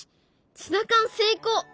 ツナ缶成功！